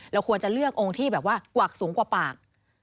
เราควรจะเลือกองค์ที่แบบว่ากวักสูงกว่าปาก